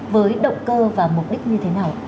với động cơ và mục đích như thế nào